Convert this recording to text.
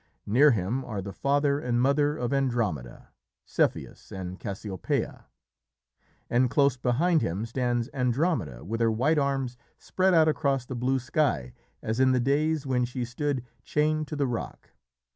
Near him are the father and mother of Andromeda Cepheus and Cassiopeia, and close beside him stands Andromeda with her white arms spread out across the blue sky as in the days when she stood chained to the rock.